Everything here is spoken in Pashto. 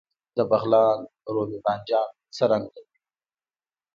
د بغلان رومي بانجان څه رنګ لري؟